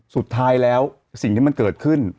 สุดท้ายแล้วสิ่งที่มันเกิดขึ้น